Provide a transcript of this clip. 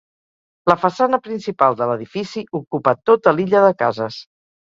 La façana principal de l'edifici ocupa tota l'illa de cases.